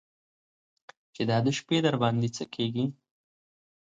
چې دا د شپې درباندې څه کېږي.